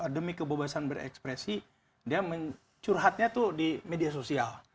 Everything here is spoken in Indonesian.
demi kebebasan berekspresi dia mencurhatnya tuh di media sosial